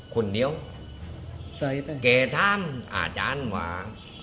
คนเดียวใส่แกท่านอาจารย์ว่า